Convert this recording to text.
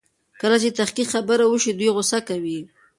کله چې د تحقيق خبره وشي دوی غوسه کوي.